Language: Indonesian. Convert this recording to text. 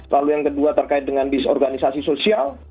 lalu yang kedua terkait dengan disorganisasi sosial